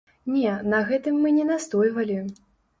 Не, на гэтым мы не настойвалі.